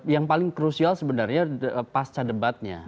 yang paling krusial sebenarnya pasca debatnya